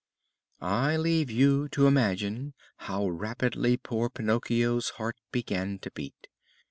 I leave you to imagine how rapidly poor Pinocchio's heart began to beat.